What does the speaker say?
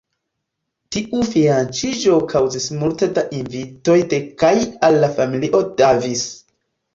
Tiu fianĉiĝo kaŭzis multe da invitoj de kaj al la familio Davis.